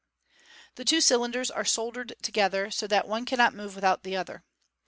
The two cylinders are soldered together, so that the one cannot move without the other.